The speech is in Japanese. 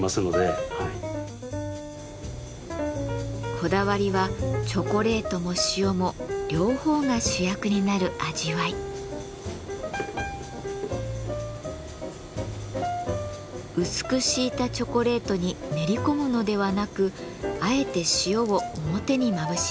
こだわりはチョコレートも塩も両方が主役になる味わい。薄く敷いたチョコレートに練り込むのではなくあえて塩を表にまぶします。